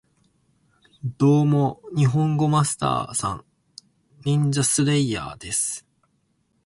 ドーモ、ニホンゴマスター＝サン！ニンジャスレイヤーです